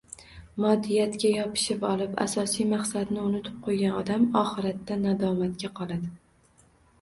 Moddiyatga yopishib olib asosiy maqsadni unutib qo‘ygan odam oxiratda nadomatga qoladi.